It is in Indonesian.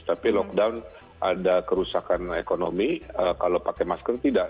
tapi lockdown ada kerusakan ekonomi kalau pakai masker tidak